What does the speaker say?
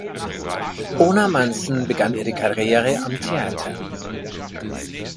Ona Munson begann ihre Karriere am Theater.